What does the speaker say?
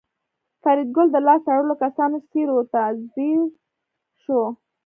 فریدګل د لاس تړلو کسانو څېرو ته ځیر شو